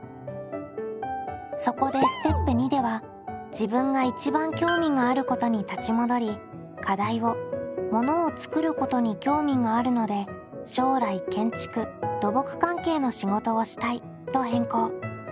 そこでステップ②では自分が一番興味があることに立ち戻り課題を「ものを作ることに興味があるので将来建築・土木関係の仕事をしたい」と変更。